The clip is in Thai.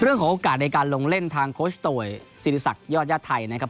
เรื่องของโอกาสในการลงเล่นทางโคชโตยศิริษัทยอดย่าไทยนะครับ